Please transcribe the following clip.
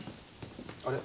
あれ？